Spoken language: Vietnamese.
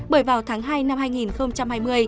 bởi vào tháng hai năm hai nghìn hai mươi